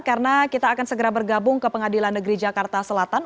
karena kita akan segera bergabung ke pengadilan negeri jakarta selatan